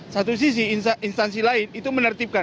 satu sisi instansi lain itu menertibkan